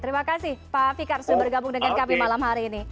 terima kasih pak fikar sudah bergabung dengan kami malam hari ini